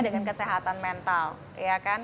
dengan kesehatan mental ya kan